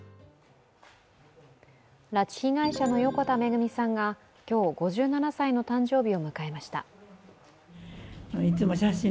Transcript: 拉致被害者の横田めぐみさんが今日５７歳の誕生日を迎えました。